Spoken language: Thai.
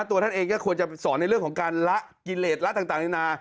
ตัวท่านเองก็ควรจะสอนในเรื่องของการละกิเลสละต่างนานา